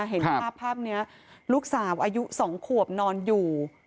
เห็นภาพภาพนี้ลูกสาวอายุ๒ขวบนอนอยู่